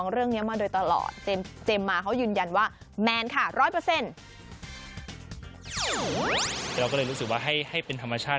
เราก็เลยรู้สึกว่าให้เป็นธรรมชาติ